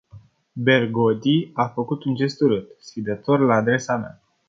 Bergodi a făcut un gest urât, sfidător la adresa mea.